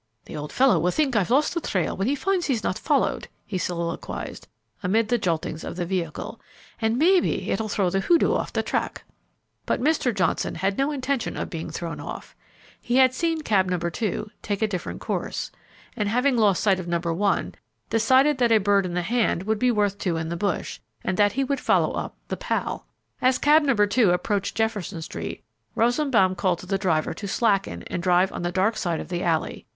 "The old fellow will think I've lost the trail when he finds he's not followed," he soliloquized, amid the joltings of the vehicle, "and maybe it will throw the hoodoo off the track." But Mr. Johnson had no intention of being thrown off. He had seen cab No. 2 a take a different course, and, having lost sight of No. 1, decided that a bird in the hand would be worth two in the bush, and that he would follow up the "pal." As cab No. 2 approached Jefferson Street, Rosenbaum called to the driver to slacken and drive on the dark side of the alley.